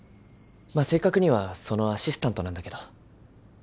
まあ正確にはそのアシスタントなんだけど。